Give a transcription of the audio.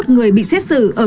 ba mươi một người bị xét xử ở